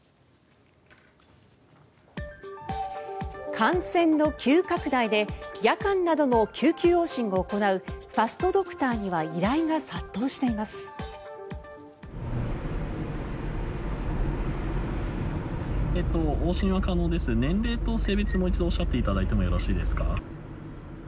感染の急拡大で夜間などの救急往診を行うファストドクターには依頼が殺到しています。